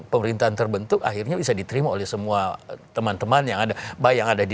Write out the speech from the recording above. pemerintahan terbentuk akhirnya bisa diterima oleh semua teman teman yang ada baik yang ada di